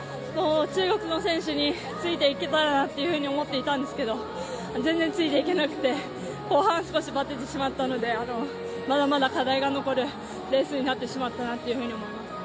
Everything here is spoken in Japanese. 中国の選手についていけたらなというふうに思っていたんですけど全然ついていけなくて、後半少しバテてしまったので、まだまだ課題が残るレースになってしまったなと思います。